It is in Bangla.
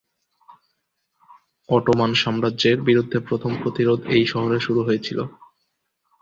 অটোমান সাম্রাজ্যের বিরুদ্ধে প্রথম প্রতিরোধ এই শহরে শুরু হয়েছিলো।